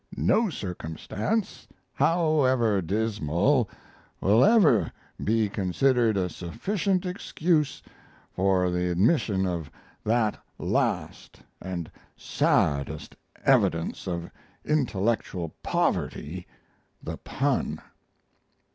No circumstance, however dismal, will ever be considered a sufficient excuse for the admission of that last and saddest evidence of intellectual poverty, the pun.